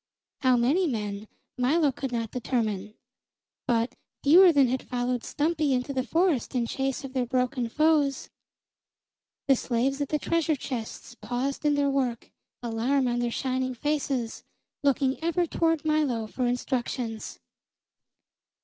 How many men Milo could not determine; but fewer than had followed Stumpy into the forest in chase of their broken foes. The slaves at the treasure chests paused in their work, alarm on their shining faces, looking ever toward Milo for instructions.